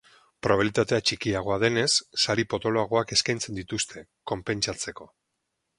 Probabilitatea txikiagoa denez, sari potoloagoak eskaintzen dituzte, konpentsatzeko.